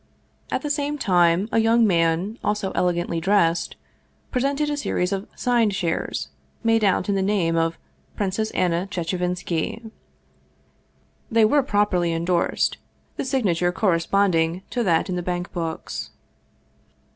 At the same time a young man, also elegantly dressed, presented a series of signed shares, made out in the name of " Princess Anna Chechevinski." They were properly indorsed, the signature corresponding to that in the bank books.